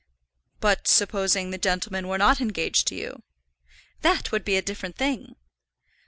"But supposing the gentleman were not engaged to you?" "That would be a different thing."